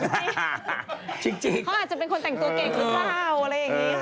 เพราะอาจจะเป็นคนแต่งตัวเก่งหรือเปล่า